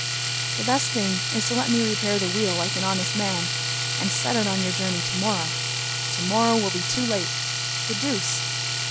"The best thing is to let me repair the wheel like an honest man, and set out on your journey to morrow." "To morrow will be too late." "The deuce!"